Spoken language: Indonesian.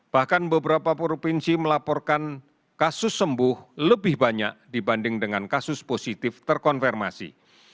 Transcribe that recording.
bahkan beberapa provinsi melaporkan kasus sembuh lebih banyak dibanding dengan kasus positif terkonfirmasi